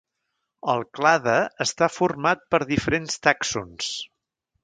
El clade està format per diferents tàxons.